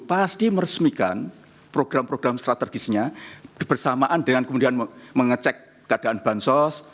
pasti meresmikan program program strategisnya bersamaan dengan kemudian mengecek keadaan bansos